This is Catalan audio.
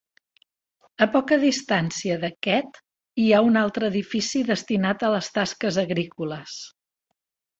A poca distància d'aquest hi ha un altre edifici destinat a les tasques agrícoles.